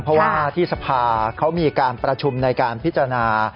เพราะว่าที่สภาเขามีการประชุมในการพิจารณา